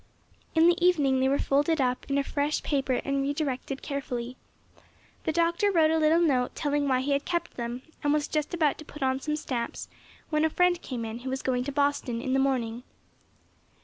In the evening they were folded up in a fresh paper and re directed carefully. The Doctor wrote a little note telling why he had kept them, and was just about to put on some stamps when a friend came in who was going to Boston in the morning.